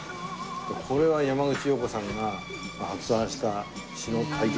これは山口洋子さんが発案した詞の。